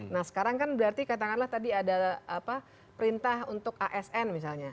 nah sekarang kan berarti katakanlah tadi ada perintah untuk asn misalnya